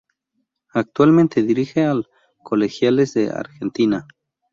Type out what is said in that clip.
Actualmente dirige al Colegiales de Argentina.